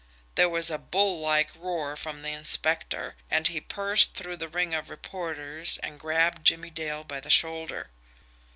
There was a bull like roar from the inspector, and he burst through the ring of reporters, and grabbed Jimmie Dale by the shoulder.